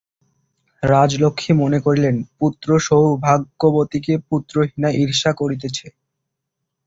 রাজলক্ষ্মী মনে করিলেন, পুত্রসৌভাগ্যবতীকে পুত্রহীনা ঈর্ষা করিতেছে।